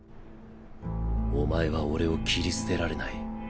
おまえは俺を切り捨てられない。